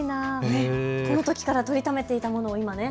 このときから撮りためていたものが今。